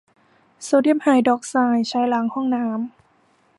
โซเดียมไฮดรอกไซด์ใช้ล้างห้องน้ำ